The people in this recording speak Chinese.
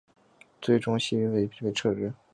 最终谢维俊被撤职。